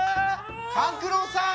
・勘九郎さん。